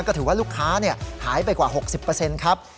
ก็ถือว่าลูกค้าหายไปกว่า๖๐ครับ